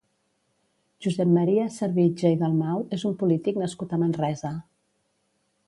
Josep Maria Servitje i Dalmau és un polític nascut a Manresa.